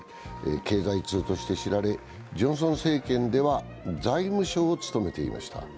経済通として知られ、ジョンソン政権では財務相を務めていました。